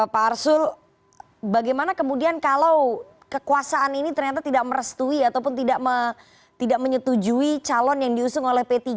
pak arsul bagaimana kemudian kalau kekuasaan ini ternyata tidak merestui ataupun tidak menyetujui calon yang diusung oleh p tiga